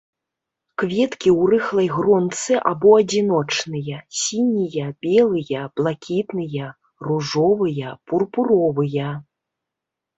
Кветкі ў рыхлай гронцы або адзіночныя, сінія, белыя, блакітныя, ружовыя, пурпуровыя.